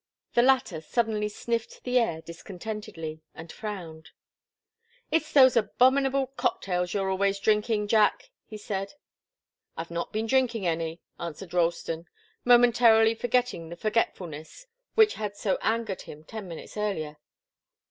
The latter suddenly sniffed the air discontentedly, and frowned. "It's those abominable cocktails you're always drinking, Jack," he said. "I've not been drinking any," answered Ralston, momentarily forgetting the forgetfulness which had so angered him ten minutes earlier.